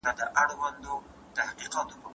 که هیله ولرو نو ژوند نه بې معنا کیږي.